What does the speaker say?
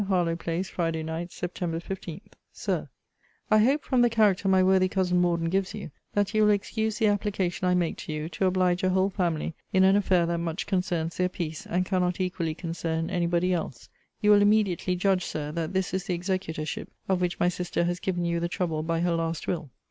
HARLOWE PLACE, FRIDAY NIGHT, SEPT. 15. SIR, I hope, from the character my worthy cousin Morden gives you, that you will excuse the application I make to you, to oblige a whole family in an affair that much concerns their peace, and cannot equally concern any body else. You will immediately judge, Sir, that this is the executorship of which my sister has given you the trouble by her last will.